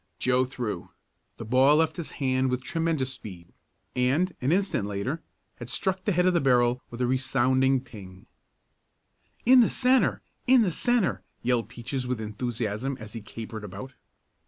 Joe threw. The ball left his hand with tremendous speed and, an instant later, had struck the head of the barrel with a resounding "ping!" "In the centre! In the centre!" yelled Peaches with enthusiasm as he capered about.